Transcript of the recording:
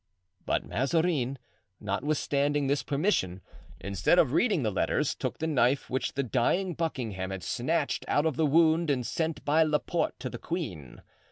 But Mazarin, notwithstanding this permission, instead of reading the letters, took the knife which the dying Buckingham had snatched out of the wound and sent by Laporte to the queen.